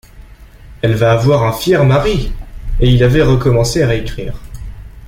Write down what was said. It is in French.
Elle va avoir un fier mari! — Et il avait recommencé à écrire.